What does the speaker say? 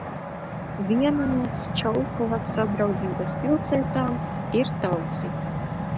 Viena no Ščolkovas sadraudzības pilsētām ir Talsi.